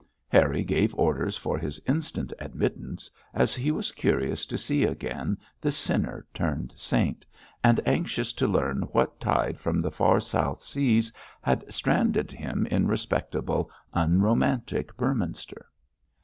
Harry gave orders for his instant admittance, as he was curious to see again the sinner turned saint, and anxious to learn what tide from the far South Seas had stranded him in respectable, unromantic Beorminster.